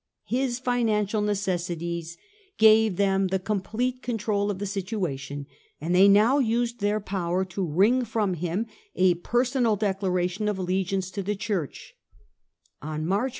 His financial necessities gave them the , complete control of the situation, and they the King ;his now used their power to wring from him a of alliance P ersona ^ declaration of allegiance to the Church Church.